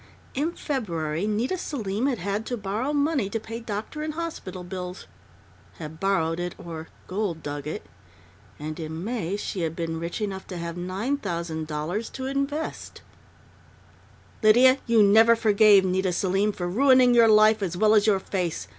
In February Nita Selim had had to borrow money to pay doctor and hospital bills. Had borrowed it or "gold dug" it.... And in May she had been rich enough to have $9,000 to invest! "Lydia, you never forgave Nita Selim for ruining your life as well as your face!"